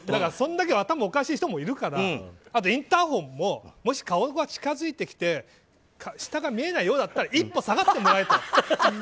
それだけ頭おかしい人もいるしインターホンももし顔が近づいてきて下が見えないようだったら一歩下がってもらえと。